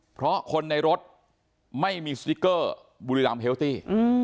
เพราะคนในรถไม่มีสติ๊กเกอร์บุรีรำเฮลตี้